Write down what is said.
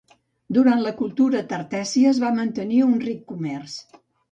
Durant la cultura tartèssia es va mantenir un ric comerç.